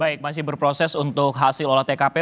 baik masih berproses untuk hasil olah tkp